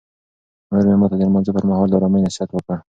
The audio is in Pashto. مور مې ماته د لمانځه پر مهال د آرامۍ نصیحت وکړ.